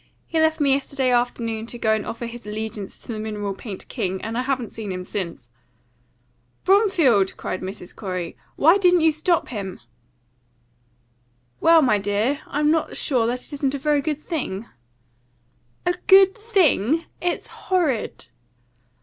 He left me yesterday afternoon to go and offer his allegiance to the Mineral Paint King, and I haven't seen him since." "Bromfield!" cried Mrs. Corey. "Why didn't you stop him?" "Well, my dear, I'm not sure that it isn't a very good thing." "A good thing? It's horrid!"